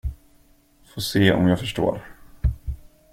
Få se om jag förstår.